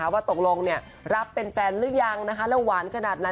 ว่าตกลงรับเป็นแฟนหรือยังแล้วหวานขนาดไหน